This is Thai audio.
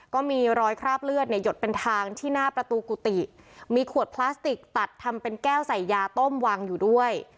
ก็มีรอยคราบเลือดเนี่ยหยดเป็นทางที่หน้าประตูกุฏิมีขวดพลาสติกตัดทำเป็นแก้วใส่ยาต้มวางอยู่ด้วย